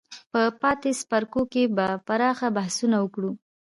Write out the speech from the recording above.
په پاتې څپرکو کې به پراخ بحثونه وکړو.